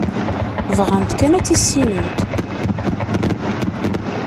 Bɣant kan ad t-issinent.